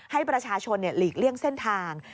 ให้ประชาชนหลีกเลี่ยงเส้นทาง